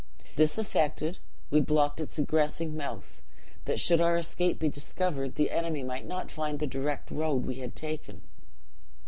"This effected, we blocked up its egressing mouth, that, should our escape be discovered, the enemy might not find the direct road we had taken.